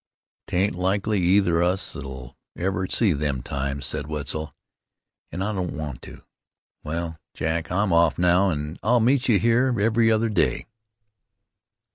"'Tain't likely either of us'll ever see them times," said Wetzel, "an' I don't want to. Wal, Jack, I'm off now, an' I'll meet you here every other day."